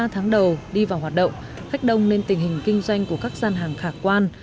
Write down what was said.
ba tháng đầu đi vào hoạt động khách đông nên tình hình kinh doanh của các gian hàng khả quan